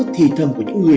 thì thầm của những người